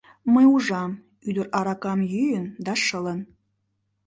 Мый ужам, ӱдыр аракам йӱын да шылын.